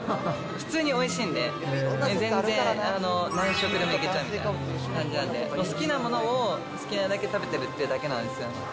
普通においしいんで、全然何食でもいけちゃうっていう感じなんで、好きなものを好きなだけ食べてるっていうだけなんですよね。